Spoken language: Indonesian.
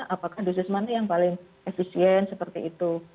apakah dosis mana yang paling efisien seperti itu